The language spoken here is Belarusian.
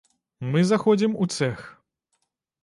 Мы заходзім у цэх.